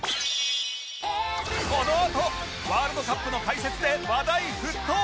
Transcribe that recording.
このあとワールドカップの解説で話題沸騰！